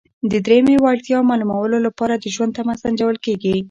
د دریمې وړتیا معلومولو لپاره د ژوند تمه سنجول کیږي.